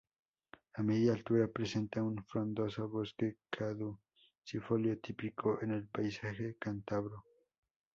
A media altura, presenta un frondoso bosque caducifolio, típico en el paisaje cántabro.